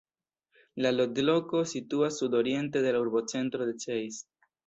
La loĝloko situas sudoriente de la urbocentro de Zeitz.